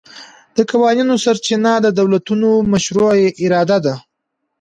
د قوانینو سرچینه د دولتونو مشروعه اراده ده